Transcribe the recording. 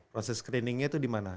proses screeningnya itu dimana